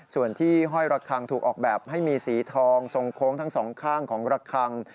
ส่วนที่ห้อยระคังถูกออกแบบให้มีสีทองทรงโค้งทั้งสองข้างของระคัง